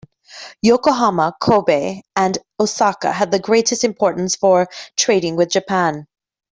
Yokohama, Kobe and Osaka had the greatest importance for trading with Japan.